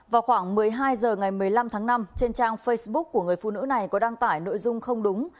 vào khoảng một mươi hai h ngày một mươi năm tháng năm trên trang facebook của người phụ nữ này có đăng tải nội dung không đúng